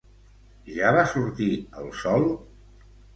Ja va sortir el Sol?